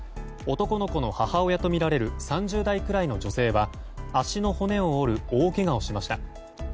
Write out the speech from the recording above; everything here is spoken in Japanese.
男の子の母親とみられる３０代くらいの女性は足の骨を折る大けがをしました。